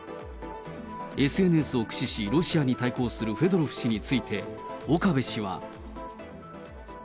ＳＮＳを駆使し、ロシアに対抗するフェドロフ氏について、岡部氏は。